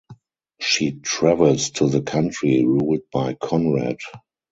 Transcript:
She travels to the county ruled by Konrad.